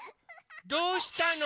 どうしたの？